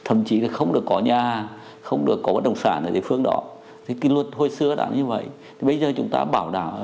an toàn an ninh được bảo đảm